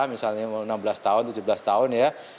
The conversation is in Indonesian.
misalnya enam belas tahun tujuh belas tahun ya